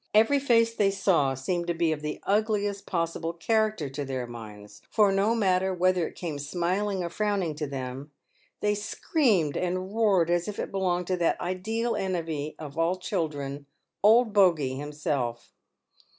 Every face they saw seemed to be of the ugliest possible character to their minds, for no matter whether it came smiling or frowning to them, they screamed and roared as if it belonged to that ideal enemy of all children, "Old Bogie" himself.